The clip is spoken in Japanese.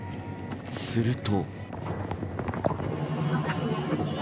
すると。